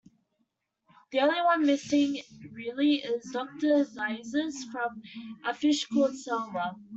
The only one missing really is "Doctor Zaius" from "A Fish Called Selma".